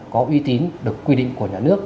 có uy tín được quy định của nhà nước